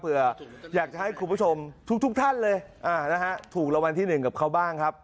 เผื่ออยากจะให้คุณผู้ชมทุกท่านเลยถูกรวมรวมที่๑กับเขาบ้างครับ